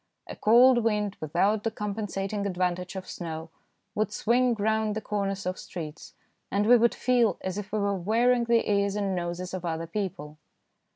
A cold wind without the compensating advantage of snow would swing round the corners of streets, and we would feel as if CHILDREN AND THE SPRING 53 we were wearing the ears and noses of other people.